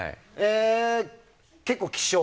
結構、希少？